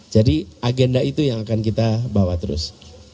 jadi agenda itu yang akan kita bawa terus